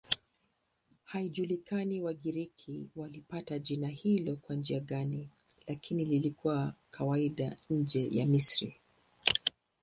Haijulikani Wagiriki walipata jina hilo kwa njia gani, lakini lilikuwa kawaida nje ya Misri.